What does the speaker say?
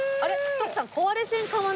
徳さん。